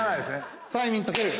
催眠解ける。